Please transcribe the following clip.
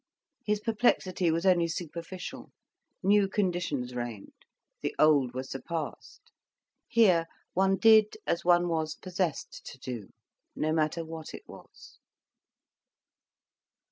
His perplexity was only superficial, new conditions reigned, the old were surpassed; here one did as one was possessed to do, no matter what it was.